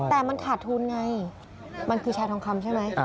แต่มันขาดทุนไงมันคือแชร์ทองคำใช่ไหม